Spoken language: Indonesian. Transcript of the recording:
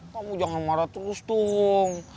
kamu jangan marah terus tuhung